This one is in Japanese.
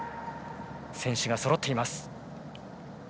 選手がそろっています。